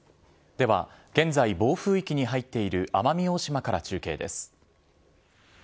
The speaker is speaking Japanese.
では現在、暴風域に入っている奄美大島から中継です。